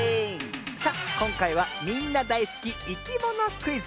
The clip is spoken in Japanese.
さあこんかいはみんなだいすきいきものクイズ。